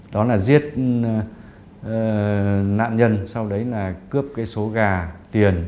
đó là giết nạn nhân sau đấy là cướp cái số gà tiền